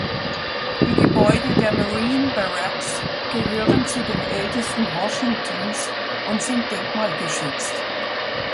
Die Gebäude der Marine Barracks gehören zu den ältesten Washingtons und sind denkmalgeschützt.